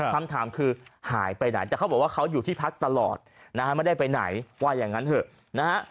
คำถามคือหายไปไหนแต่เขาบอกว่าเขาอยู่ที่พักตลอดนะฮะไม่ได้ไปไหนว่าอย่างนั้นเถอะนะฮะ